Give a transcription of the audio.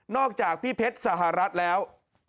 จากพี่เพชรสหรัฐแล้ว